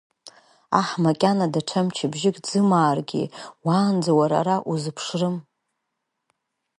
Аҳ макьана даҽа мчыбжьык дзымааргьы, уаанӡа уара ара узыԥшрым.